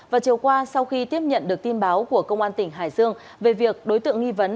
và chiều qua sau khi tiếp nhận được tin báo của công an tỉnh hải dương về việc đối tượng nghi vấn